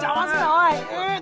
おい。